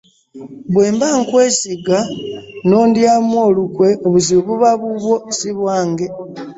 Bwe mba nkwesiga n'ondyamu olukwe obuzibu buba bubwo si bwange.